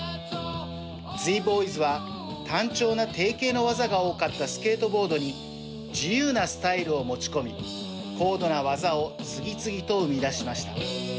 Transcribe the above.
Ｚ−Ｂｏｙｓは単調な定型の技が多かったスケートボードに自由なスタイルを持ち込み高度な技を次々と生み出しました。